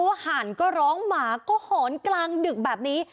ห่านก็ร้องหมาก็หอนกลางดึกแบบนี้